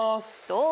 どう？